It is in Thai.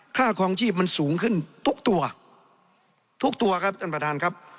ครองชีพมันสูงขึ้นทุกตัวทุกตัวครับท่านประธานครับ